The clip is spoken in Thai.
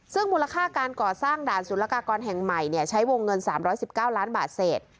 ซึ่งมูลค่าการก่อสร้างด่านสุรกากรแห่งใหม่ใช้วงเงิน๓๑๙ล้านบาทเศษ